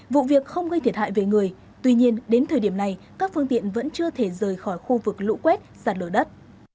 vụ việc không gây thiệt hại về người tuy nhiên đến thời điểm này các phương tiện vẫn chưa thể rời khỏi khu vực lũ quét sạt lở đất